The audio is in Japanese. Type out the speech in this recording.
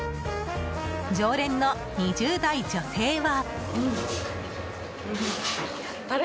常連の２０代女性は。